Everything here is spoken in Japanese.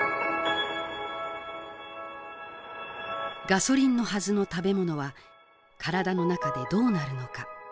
ガソリンのはずの食べものは体の中でどうなるのか？